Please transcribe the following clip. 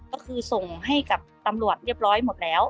ก็คือส่งให้กับตำรวจเรียบร้อยหมดแล้ว